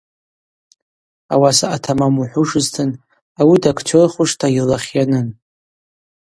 Ауаса атамам ухӏвушызтын ауи дактерхушта йылахь йанын.